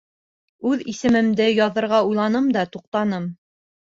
Үҙ исемемде яҙырға уйланым да, туҡтаным.